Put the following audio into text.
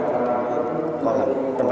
masjid tertua di jawa